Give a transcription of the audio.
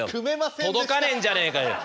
届かねえんじゃねえかよ。